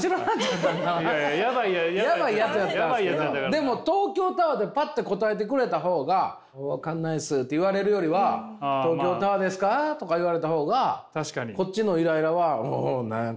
でも東京タワーってパッて答えてくれた方が「分かんないです」って言われるよりは「東京タワーですか？」とか言われた方がこっちのイライラはおお何や？